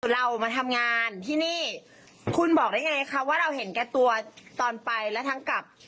เรามาทำงานที่นี่คุณบอกได้ไงคะว่าเราเห็นแก่ตัวตอนไปและทั้งกับ